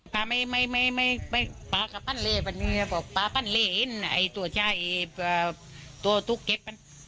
ปลาไม่ไม่ไม่ไม่ปลาก็ปั้นเลยปั้นเลยปลาปั้นเลยไอ้ตัวชายตัวตุ๊กเก็บ